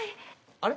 あれ？